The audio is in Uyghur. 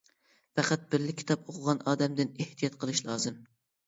پەقەت بىرلا كىتاب ئوقۇغان ئادەمدىن ئېھتىيات قىلىش لازىم.